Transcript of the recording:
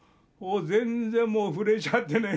全然もう震えちゃってね。